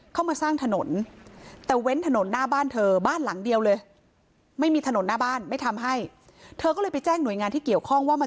เข้ามาสร้างถนนแต่เว้นถนนหน้าบ้านเธอบ้านหลังเดียวเลย